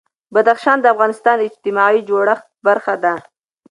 بدخشان د افغانستان د اجتماعي جوړښت برخه ده.